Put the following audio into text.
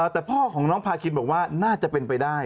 แต่พ่อของน้องพาคินบอกว่าน่าจะเป็นไปได้